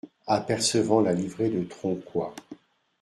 Apercevant la livrée de Tronquoy.